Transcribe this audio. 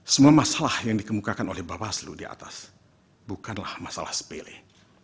semua masalah yang dikemukakan oleh bawaslu di atas bukanlah masalah sepele